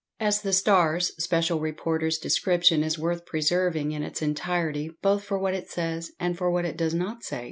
As the Star's special reporter's description is worth preserving in its entirety, both for what it says, and for what it does not say.